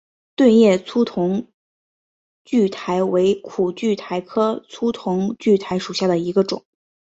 盾叶粗筒苣苔为苦苣苔科粗筒苣苔属下的一个种。